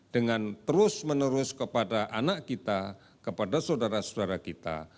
dengan terus menerus kepada anak kita kepada saudara saudara kita